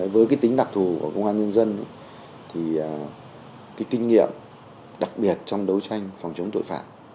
với cái tính đặc thù của công an nhân dân thì cái kinh nghiệm đặc biệt trong đấu tranh phòng chống tội phạm